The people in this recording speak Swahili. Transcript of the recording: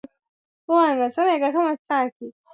Kwa nini tunagombana?